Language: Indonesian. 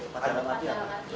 tepat dalam hati apa